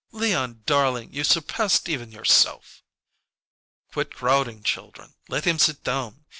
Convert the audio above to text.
"Leon darling, you surpassed even yourself!" "Quit crowding, children. Let him sit down.